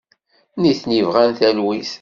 Nitni bɣan talwit.